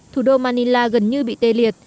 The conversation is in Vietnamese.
thủ đô manila gần như bị tê liệt